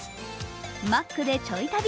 マックでちょい旅！